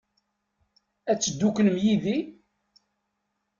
Ad tedduklem yid-i?